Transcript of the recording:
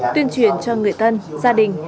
tuyên truyền cho người thân gia đình